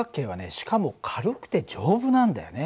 しかも軽くて丈夫なんだよね。